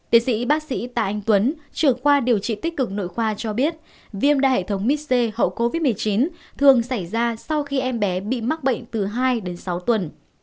tiến sĩ bác sĩ tạ anh tuấn trưởng khoa điều trị tích cực nội khoa cho biết viêm đa hệ thống mits hậu covid một mươi chín thường xảy ra sau khi em bé bị mắc bệnh từ hai đến sáu tuần